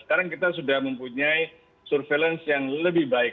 sekarang kita sudah mempunyai surveillance yang lebih baik